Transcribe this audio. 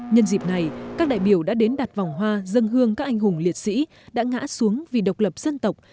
nhân dịp này các đại biểu đã đến đặt vòng hoa dân hương các anh hùng liệt sĩ đã ngã xuống vì độc lập dân tộc